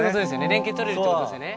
連携とれるってことですよね。